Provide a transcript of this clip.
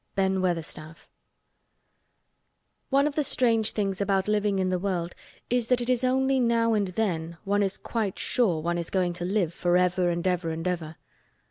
BEN WEATHERSTAFF One of the strange things about living in the world is that it is only now and then one is quite sure one is going to live forever and ever and ever.